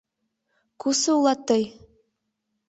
— Кусо улат тый?